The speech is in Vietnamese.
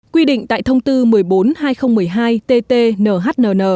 quy định tại thông tư một mươi bốn hai nghìn một mươi hai tt nhnn